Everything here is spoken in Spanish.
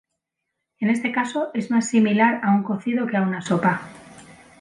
En este caso es más similar a un cocido que a una sopa.